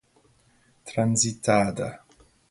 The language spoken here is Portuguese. Transitada